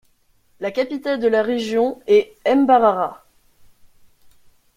La capitale de la région est Mbarara.